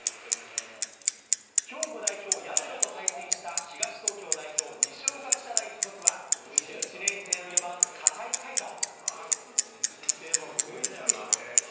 兵庫代表、社と対戦した東東京代表、二松学舎大付属は、１年生の４番片井海斗。